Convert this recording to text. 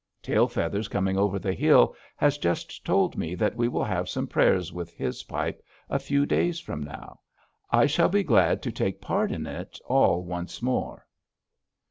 Tail Feathers Coming over the Hill has just told me that we will have some prayers with his pipe a few days from now. I shall be glad to take part in it all once more.